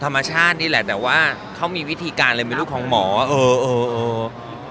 ธรรมชาตินี่แหละแต่ว่าเขามีวิธีการเลยเป็นลูกของหมอเออเออเออ